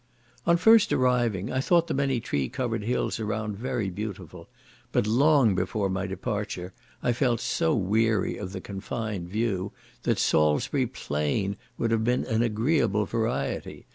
On first arriving, I thought the many tree covered hills around, very beautiful, but long before my departure, I felt so weary of the confined view, that Salisbury Plain would have been an agreeable variety.